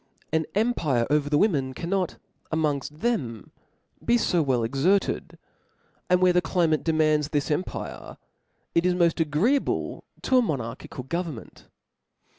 An fira. Chap/p. pire over the women cannot, amongft them, be fo well exerted j and where the climate demands this empire, it is moft agreeable to a monarchical go vernment.